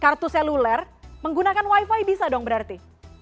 kartu seluler menggunakan wifi bisa dong berarti